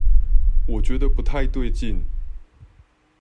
我覺得不太對勁